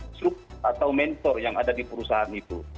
instruktur atau mentor yang ada di perusahaan itu